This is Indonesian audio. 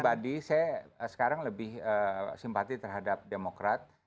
jadi tadi saya sekarang lebih simpati terhadap demokrat